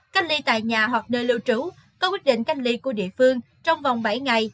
cách ly tại nhà hoặc nơi lưu trú có quyết định cách ly của địa phương trong vòng bảy ngày